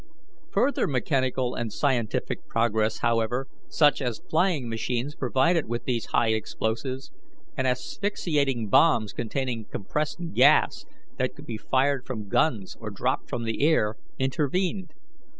"Further mechanical and scientific progress, however, such as flying machines provided with these high explosives, and asphyxiating bombs containing compressed gas that could be fired from guns or dropped from the air, intervened.